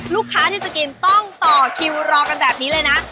ลูกค้าที่จะกินต้องต่อคิวรอกันแบบนี้เลยนะ